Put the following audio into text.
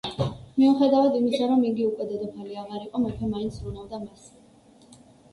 მიუხედავად იმისა, რომ იგი უკვე დედოფალი აღარ იყო, მეფე მაინც ზრუნავდა მასზე.